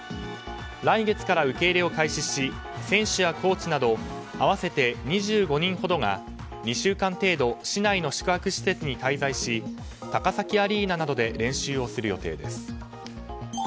来月から受け入れを開始し選手やコーチなど合わせて２５人ほどが２週間程度市内の宿泊施設に滞在し高崎アリーナなどで練習をする予定です。